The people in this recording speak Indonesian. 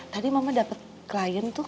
tadi mama dapat klien tuh